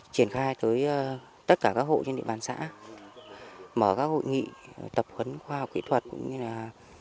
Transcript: triển khai tới tất cả các hộ trên địa bàn xã mở các hội nghị tập huấn khoa học kỹ thuật cũng như là